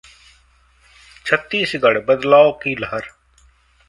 छत्तीसगढ़ः बदलाव की लहर